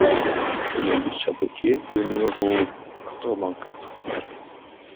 Chemin du Sabotier au numéro quatre-vingt-quatre